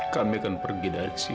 kami akan pergi dari sini